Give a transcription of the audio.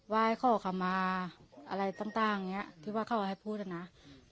ไหว้ขอกรรมาอะไรต่างต่างอย่างเงี้ยที่ว่าเขาเอาให้พูดนะอืม